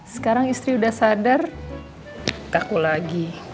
sekarang istri udah sadar takut lagi